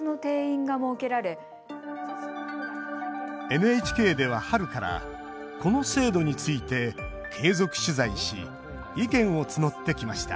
ＮＨＫでは春からこの制度について継続取材し意見を募ってきました。